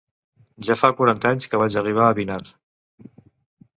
Ja fa quaranta anys que vaig arribar a Vinar